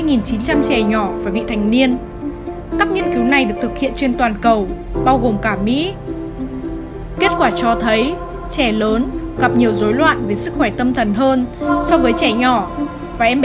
những dối loạn về sức khỏe tâm thần